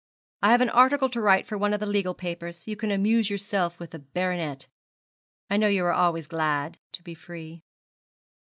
'I have an article to write for one of the legal papers. You can amuse yourself with the baronet. I know you are always glad to be free.'